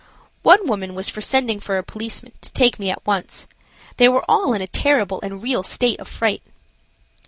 One woman was for sending for a policeman to take me at once. They were all in a terrible and real state of fright.